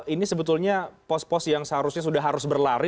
ini sebetulnya pos pos yang seharusnya sudah harus berlari